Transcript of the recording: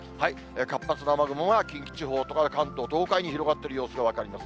活発な雨雲が近畿地方から関東、東海に広がっている様子が分かります。